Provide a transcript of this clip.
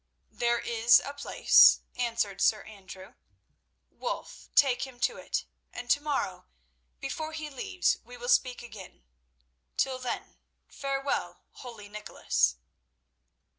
"There is a place," answered Sir Andrew. "Wulf, take him to it, and to morrow, before he leaves, we will speak again. Till then, farewell, holy Nicholas."